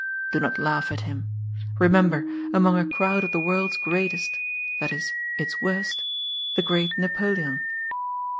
l)o not laugh at him. Remember, among a crowd of the world's greatest (that is, its worst), the great Napoleon.